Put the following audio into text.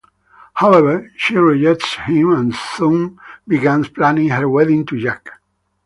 However, she rejects him and soon begins planning her wedding to Jack.